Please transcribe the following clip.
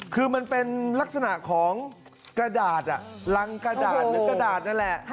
คือมันเป็นลักษณะของกระดาษรังกระดาษหรือกระดาษนั่นแหละ